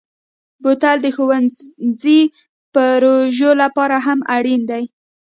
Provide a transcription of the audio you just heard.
بوتل د ښوونځي پروژو لپاره هم اړین دی.